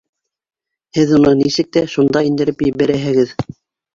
Һеҙ уны нисек тә шунда индереп ебәрәһегеҙ.